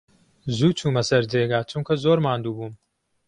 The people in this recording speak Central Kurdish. زوو چوومە سەر جێگا، چونکە زۆر ماندوو بووم.